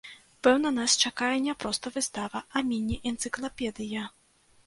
Пэўна, нас чакае не проста выстава, а міні-энцыклапедыя.